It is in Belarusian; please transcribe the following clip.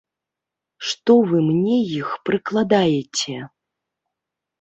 Што вы мне іх прыкладаеце?